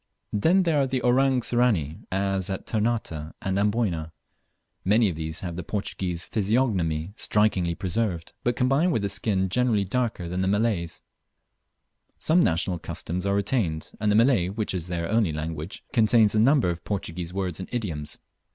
Then there are the "Orang Sirani," as at Ternate and Amboyna. Many of these have the Portuguese physiognomy strikingly preserved, but combined with a skin generally darker than the Malays. Some national customs are retained, and the Malay, which is their only language, contains a large number of Portuguese words and idioms.